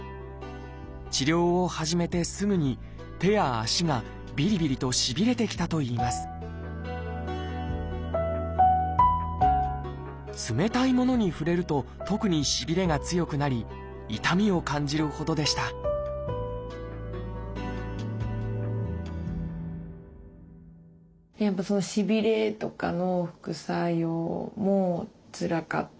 治療を始めてすぐに手や足がビリビリとしびれてきたといいます冷たいものに触れると特にしびれが強くなり痛みを感じるほどでしたいつ終わりになるのかも分からない中で薬による治療を始めて２か月。